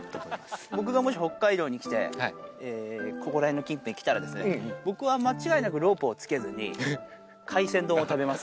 僕がもし北海道に来て、ここら辺の近辺来たら、僕は間違いなくロープを付けずに、海鮮丼を食べます。